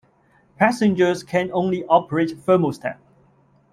Passengers can only operate thermostat.